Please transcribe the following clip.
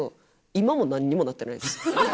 今も何にもなってないです。